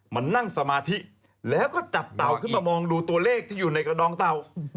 มานั่งสมาธิแล้วก็จับเต่าขึ้นมามองดูตัวเลขที่อยู่ในกระดองเต่า